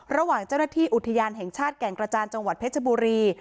ระหว่างเจ้าหน้าที่อุทยานแห่งชาติแก่งกระจานจังหวัดเพชรบุรี